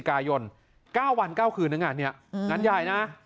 ๙วัน๙คืนนั้นอย่างงานนี้นั้นใหญ่นะ